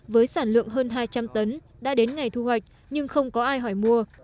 với sản lượng hơn hai trăm linh tấn đã đến ngày thu hoạch nhưng không có ai hỏi mua